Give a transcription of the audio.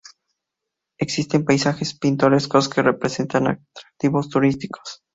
Existen paisajes pintorescos que representan atractivos turísticos.